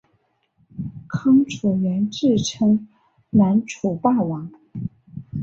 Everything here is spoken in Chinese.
康楚元自称南楚霸王。